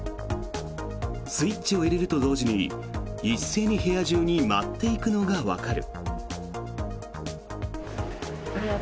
スイッチを入れると同時に一斉に部屋中に舞っていくのがわかる。